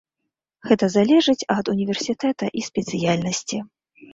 Гэта залежыць ад універсітэта і спецыяльнасці.